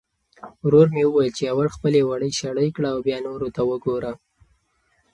ورور مې وویل چې اول خپلې وړۍ شړۍ کړه او بیا نورو ته وګوره.